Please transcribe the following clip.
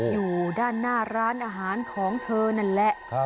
อยู่ด้านหน้าร้านอาหารของเธอนั่นแหละ